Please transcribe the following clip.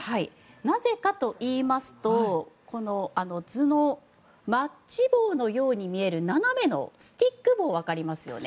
なぜかといいますとこの図のマッチ棒のように見える斜めのスティック棒わかりますよね。